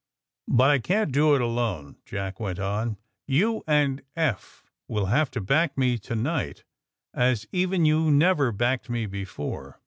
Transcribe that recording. ^'But I can't do it alone," Jack went on. *^You and Eph will have to back me to night as even you never backed me before."